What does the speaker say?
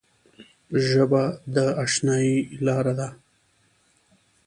ژبه د اشنايي لاره ده